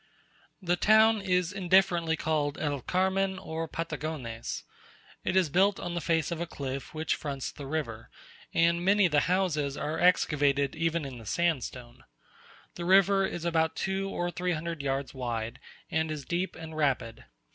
The town is indifferently called El Carmen or Patagones. It is built on the face of a cliff which fronts the river, and many of the houses are excavated even in the sandstone. The river is about two or three hundred yards wide, and is deep and rapid.